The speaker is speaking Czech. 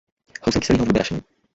Housenky se líhnou v době rašení.